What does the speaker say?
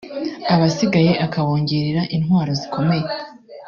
abasigaye akabongerere intwaro zikomeye